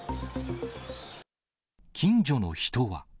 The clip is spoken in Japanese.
近所の人は。